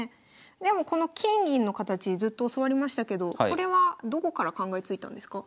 でもこの金銀の形ずっと教わりましたけどこれはどこから考えついたんですか？